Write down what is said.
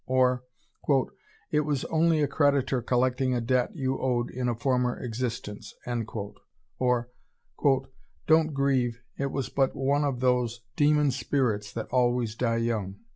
Or, "It was only a creditor collecting a debt you owed in a former existence." Or, "Don't grieve, it was but one of those demon spirits that always die young."...